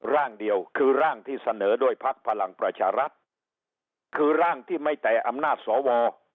ร่างเดียวคือร่างที่เสนอด้วยพักพลังประชารัฐคือร่างที่ไม่แต่อำนาจสว